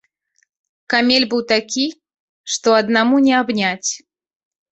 Камель быў такі, што аднаму не абняць.